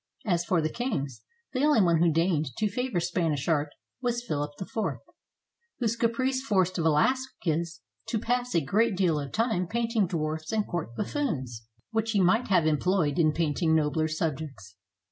As for the kings, the only one who deigned to favor Spanish art was Philip IV, whose caprice forced Velasquez to pass a great deal of time painting dwarfs and court buffoons, which he might have employed in painting nobler subjects.